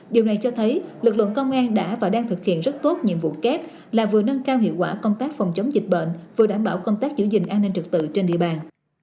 điều này cho thấy lực lượng công an đã và đang thực hiện rất tốt nhiệm vụ kép là vừa nâng cao hiệu quả công tác phòng chống dịch bệnh vừa đảm bảo công tác giữ gìn an ninh trực tự trên địa bàn